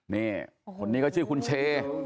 นี่คนนี้ก็ชื่อคุณเช